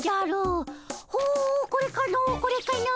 ほうこれかのこれかの。